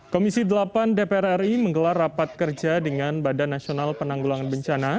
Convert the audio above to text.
komisi delapan dpr ri menggelar rapat kerja dengan badan nasional penanggulangan bencana